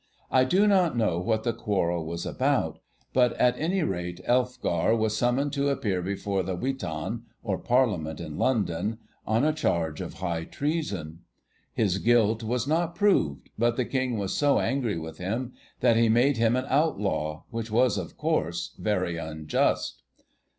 I do not know what the quarrel was about, but at any rate Elfgar was summoned to appear before the 'Witan,' or Parliament in London, on a charge of high treason. His guilt was not proved, but the King was so angry with him that he made him an outlaw, which was, of course, very unjust.